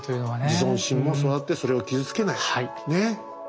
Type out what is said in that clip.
自尊心も育ってそれを傷つけない。ね。